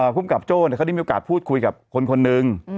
ภูมิกับโจ้เขาได้มีโอกาสพูดคุยกับคนนึง